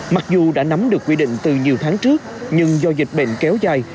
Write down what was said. mặc dù đã nắm được quy định từ nhiều tháng trước nhưng do dịch bệnh kéo dài